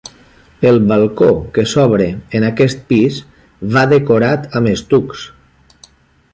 El balcó que s'obre en aquest pis va decorat amb estucs.